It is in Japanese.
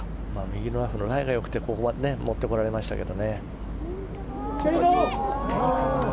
右のラフのライが良くてここまで持ってこられましたが。